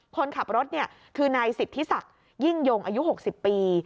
คนขับรถคือนายสิทธิศักดิ์ยิ่งยงอายุ๖๐ปี